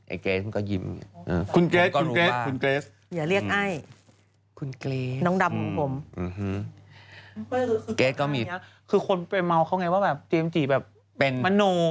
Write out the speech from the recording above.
ไอ้เกรซมันก็ยิ้ม